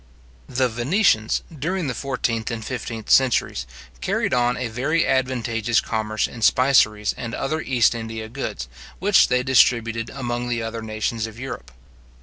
The Venetians, during the fourteenth and fifteenth centuries, carried on a very advantageous commerce in spiceries and other East India goods, which they distributed among the other nations of Europe.